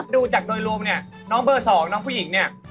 ดูจากโดยรวมเนี่ยน้องเบอร์๒น้องผู้หญิงเนี่ย